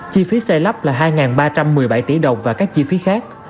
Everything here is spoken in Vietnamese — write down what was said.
chi phí xây lắp là hai ba trăm một mươi bảy tỷ đồng và các chi phí khác